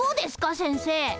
先生。